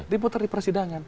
diputar di persidangan